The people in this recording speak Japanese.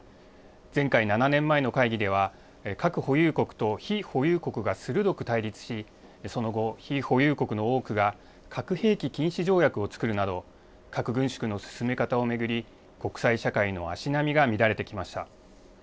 前回・７年前の会議では、核保有国と非保有国が鋭く対立し、その後、非保有国の多くが、核兵器禁止条約を作るなど、核軍縮の進め方を巡り、国際社会の足並みが乱れてきました。